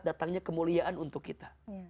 datangnya kemuliaan untuk kita